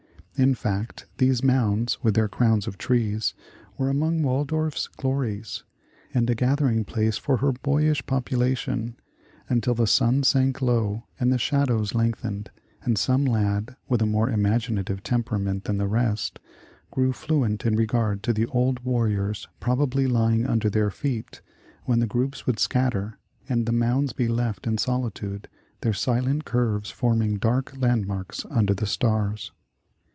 In fact, these mounds, with their crowns of trees, were among Waldorf's glories, and a gathering place for her boy ish population, until the sun sank low and the shadows lengthened, and some lad with a more imaginative tem perament than the rest, grew fluent in regard to the The Original John Jacob Astor old warriors probably lying under their feet, when the groups would scatter, and the mounds be left in soli tude, their silent curves forming dark landmarks under the stars.